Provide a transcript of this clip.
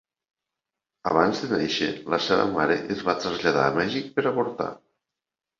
Abans de néixer, la seva mare es va traslladar a Mèxic per avortar.